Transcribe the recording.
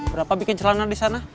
berapa bikin celana di sana